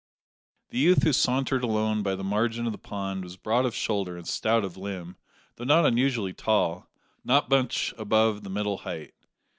The youth who sauntered alone by the margin of the pond was broad of shoulder and stout of limb, though not unusually tall not much above the middle height.